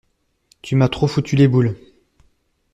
Tu m'as trop foutu les boules.